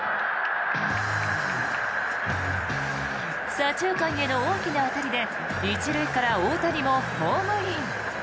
左中間への大きな当たりで１塁から大谷もホームイン。